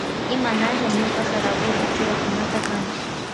Imanalla ñuka Saraguro churakunata kani.